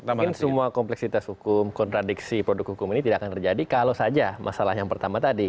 mungkin semua kompleksitas hukum kontradiksi produk hukum ini tidak akan terjadi kalau saja masalah yang pertama tadi